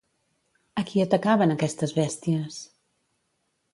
A qui atacaven aquestes bèsties?